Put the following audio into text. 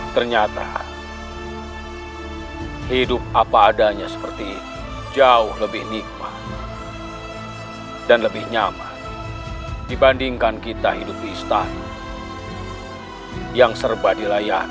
ternyata hidup apa adanya seperti jauh lebih nikmat dan lebih nyaman dibandingkan kita hidup di istana yang serba dilayani